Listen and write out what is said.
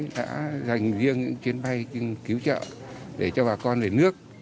đã dành riêng những chuyến bay cứu trợ để cho bà con về nước